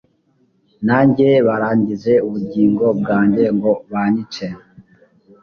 nanjye baragenza ubugingo bwanjye ngo banyice